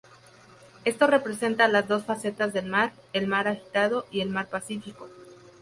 Esto representa las dos facetas del mar, el mar agitado y el mar pacífico.